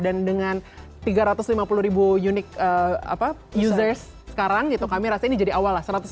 dan dengan tiga ratus lima puluh ribu unique users sekarang gitu kami rasanya ini jadi awal lah